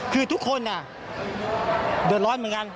คือทุกคนเดือดร้อนเหมือนกัน